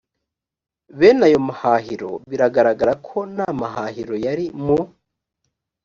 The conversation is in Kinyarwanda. bene ayo mahahiro biragaragara ko nta mahahiro yari mu